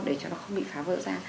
để cho nó không bị phá vỡ ra